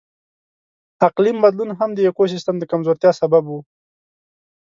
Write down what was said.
اقلیم بدلون هم د ایکوسیستم د کمزورتیا سبب و.